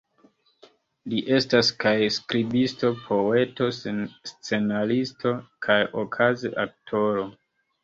Li estas kaj skribisto, poeto, scenaristo kaj okaze aktoro.